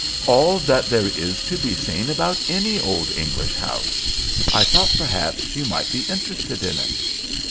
"All that there is to be seen about any old English house. I thought, perhaps, you might be interested in it."